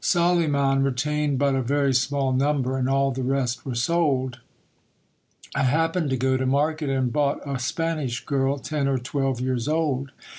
Soliman retained but a very small number, and all the rest were sold. I happened to go to market, and bought a Spanish girl, ten or twelve years old.